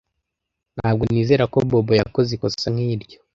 Ntabwo nizera ko Bobo yakoze ikosa nk'iryo.